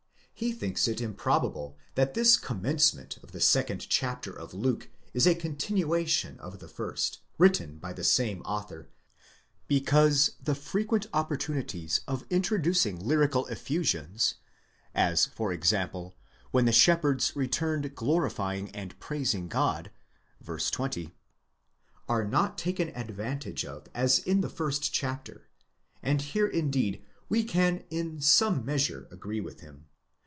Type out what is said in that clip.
He thinks it improbable that this com mencement of the second chapter of Luke is a continuation of the first, written by the same author ; because the frequent opportunities of introducing lyrical effusions—as for example, when the shepherds returned glorifying and praising God, v. 2o—are not taken advantage of as in the first chapter ; and here indeed we can in some measure agree with him.